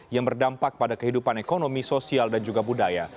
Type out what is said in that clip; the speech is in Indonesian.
yang berdampak pada kehidupan ekonomi sosial dan juga budaya